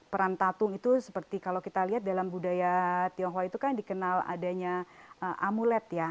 peran tatung itu seperti kalau kita lihat dalam budaya tionghoa itu kan dikenal adanya amulet ya